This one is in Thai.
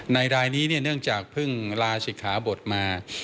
รายนี้เนื่องจากเพิ่งลาศิกขาบทมา